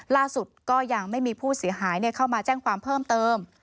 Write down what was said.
ล่าสุดก็ยังไม่มีผู้เสียหายเข้ามาแจ้งความเพิ่มเติม